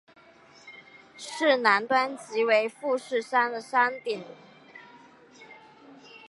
市南端即为富士山的山顶。